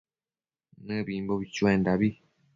Nëbimbo chuendabi